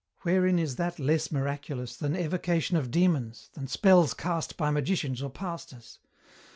Wherein is that less miraculous than evocation of demons, than spells cast by magicians or pastors?